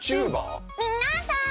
皆さん。